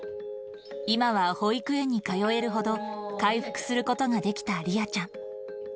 今は保育園に通えるほど回復することができたりあちゃん。